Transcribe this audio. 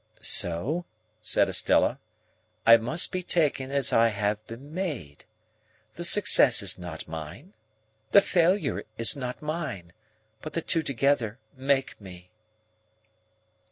"So," said Estella, "I must be taken as I have been made. The success is not mine, the failure is not mine, but the two together make me."